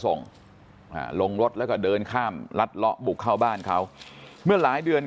ส่งอ่าลงรถแล้วก็เดินข้ามลัดเลาะบุกเข้าบ้านเขาเมื่อหลายเดือน